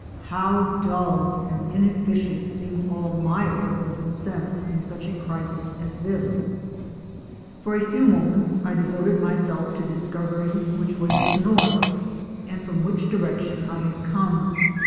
How dull and inefficient seemed all my organs of sense in such a crisis as this. For a few moments I devoted myself to discovering which was north, and from which direction I had come.